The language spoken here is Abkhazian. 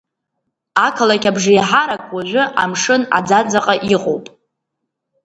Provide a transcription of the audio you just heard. Ақалақь абжеиҳарак уажәы амшын аӡаҵаҟа иҟоуп.